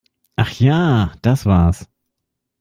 Ach ja, das war's!